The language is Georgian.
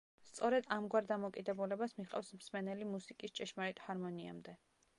სწორედ ამგვარ დამოკიდებულებას მიჰყავს მსმენელი მუსიკის ჭეშმარიტ ჰარმონიამდე.